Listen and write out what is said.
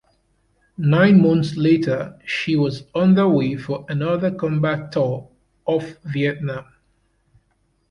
Nine months later, she was underway for another combat tour off Vietnam.